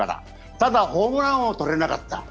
ただ、ホームラン王取れなかった。